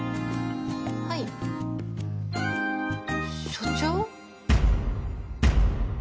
はい所長？